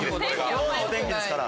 今日のお天気ですから。